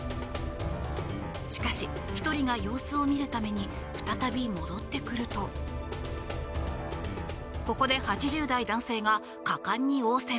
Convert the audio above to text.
しかし、１人が様子を見るために再び戻ってくるとここで８０代男性が果敢に応戦。